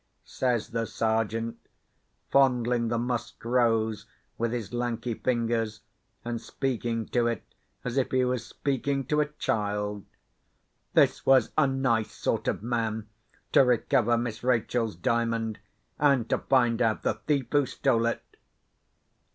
says the Sergeant, fondling the Musk Rose with his lanky fingers, and speaking to it as if he was speaking to a child. This was a nice sort of man to recover Miss Rachel's Diamond, and to find out the thief who stole it!